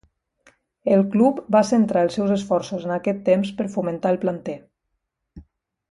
El club va centrar els seus esforços en aquest temps per fomentar el planter.